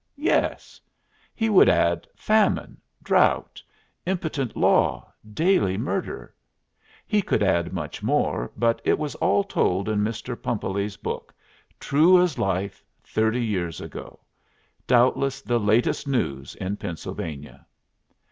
Yes. He would add famine, drought, impotent law, daily murder; he could add much more, but it was all told in Mr. Pumpelly's book, true as life, thirty years ago doubtless the latest news in Pennsylvania!